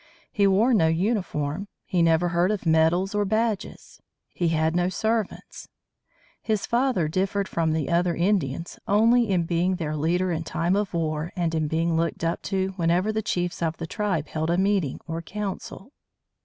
He wore no uniform. He never heard of medals or badges. He had no servants. His father differed from the other Indians only in being their leader in time of war and in being looked up to whenever the chiefs of the tribe held a meeting, or council.